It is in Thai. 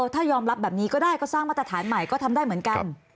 ถ้ายอมรับแบบนี้ก็ได้ก็สร้างมาตรฐานใหม่ก็ทำได้เหมือนกัน